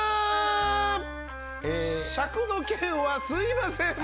尺の件はすみません！